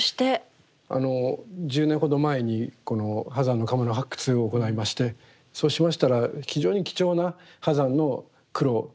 あの１０年ほど前にこの波山の窯の発掘を行いましてそうしましたら非常に貴重な波山の苦労